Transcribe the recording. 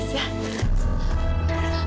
sampai keteleponan kami